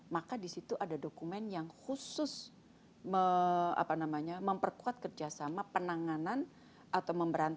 maka di situ ada dokumen yang khusus memperkuat kerjasama